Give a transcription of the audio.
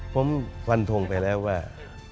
ผมฟันทงไปแล้วว่า